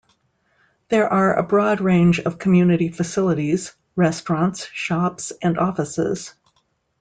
There are a broad range of community facilities, restaurants, shops and offices.